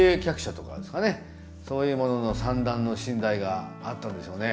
そういうものの三段の寝台があったんでしょうね。